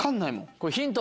これヒント。